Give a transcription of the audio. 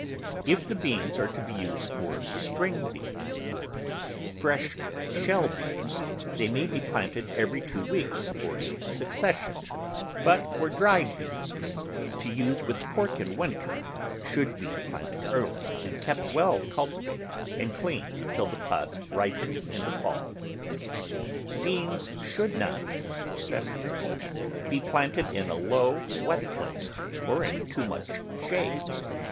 If the beans are to be used for string beans or fresh shell beans, they may be planted every two weeks for a succession, but for dried beans to use with pork in winter, should be planted early and kept well cultivated and clean until the pods ripen in the fall. Beans should not, for best results, be planted in a low, wet place or in too much shade.